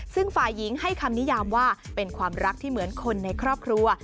ซึ่งฝ่ายหญิงให้คำนิยามว่าเป็นความรักที่เหมือนคนในครอบครัว